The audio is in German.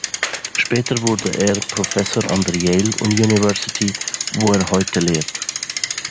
Später wurde er Professor an der Yale University, wo er heute lehrt.